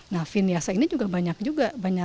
nah viniasa ini juga banyak juga